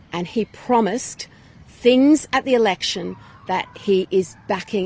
dan dia berjanji hal hal di pilihan yang dia kembali dari sekarang